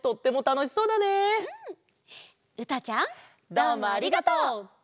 どうもありがとう！